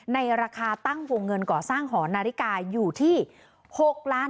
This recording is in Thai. ในราคาตั้งวงเงินก่อสร้างหอนาฬิกาอยู่ที่๖ล้าน